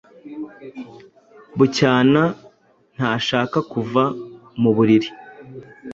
Bucyana ntashaka kuva mu buriri.